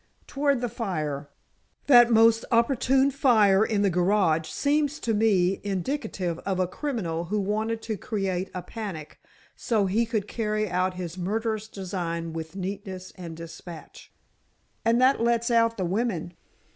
"Toward the fire. That most opportune fire in the garage seems to me indicative of a criminal who wanted to create a panic so he could carry out his murderous design with neatness and despatch." "And that lets out the women?"